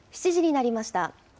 ７時になりました。